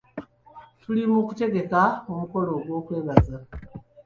Tuli mu kutegeka omukolo gw'okwebaza.